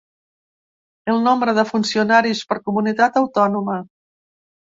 El nombre de funcionaris per comunitat autònoma.